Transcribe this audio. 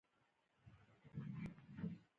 په همدې توګه الخلیل د مدینې په څېر ګڼل کېږي.